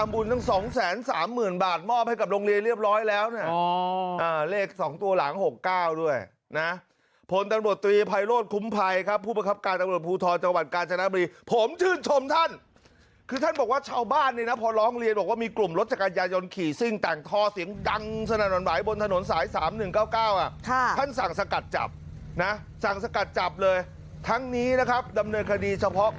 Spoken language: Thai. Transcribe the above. ผลตำบุตรตรีไพโลตคุ้มภัยครับผู้ประคับการตำบุตรภูทอจังหวัดกาญชาณะบรีผมชื่นชมท่านคือท่านบอกว่าชาวบ้านนี่น่ะพอร้องเรียนบอกว่ามีกลุ่มรถจักรยายนขี่ซึ่งแต่งทอเสียงดังสนานวันไหวบนถนนสายสามหนึ่งเก้าเก้าอ่ะค่ะท่านสั่งสกัดจับนะสั่งสกัดจับเลยทั้งนี้นะครับดำเน